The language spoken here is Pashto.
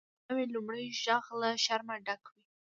د ناوی لومړی ږغ له شرمه ډک وي.